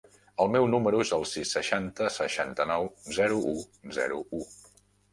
El meu número es el sis, seixanta, seixanta-nou, zero, u, zero, u.